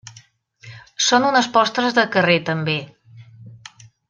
Són unes postres de carrer també.